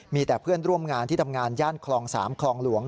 มีแต่เพื่อนร่วมงานที่ทำงานย่านคลอง๓คลองหลวง